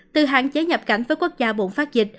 từ hạn chế nhập cảnh với quốc gia bùng phát dịch